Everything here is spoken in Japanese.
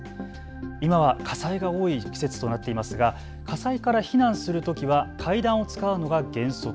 今は火災が多い季節となっていますが火災から避難するときは階段を使うのが原則。